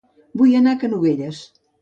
Vull anar a Canovelles